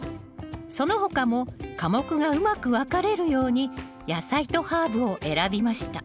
その他も科目がうまく分かれるように野菜とハーブを選びました